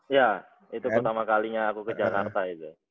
iya itu pertama kalinya aku ke jakarta itu